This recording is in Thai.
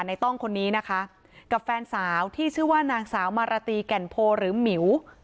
ต้องคนนี้นะคะกับแฟนสาวที่ชื่อว่านางสาวมาราตีแก่นโพหรือหมิว